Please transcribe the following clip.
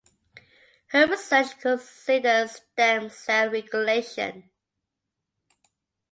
Her research considers stem cell regulation.